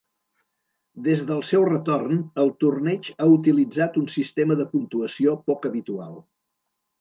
Des del seu retorn, el torneig ha utilitzat un sistema de puntuació poc habitual.